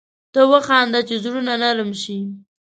ته وخانده چي زړونه نرم شي